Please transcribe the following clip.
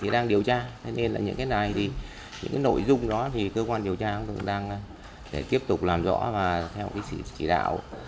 để tiếp tục làm rõ và theo kỹ sĩ chỉ đạo